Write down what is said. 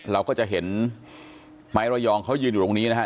เราก็จะเห็นไม้ระยองเขายืนอยู่ตรงนี้นะฮะ